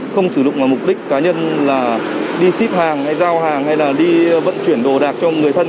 không sử dụng vào mục đích cá nhân là đi ship hàng hay giao hàng hay là đi vận chuyển đồ đạc cho người thân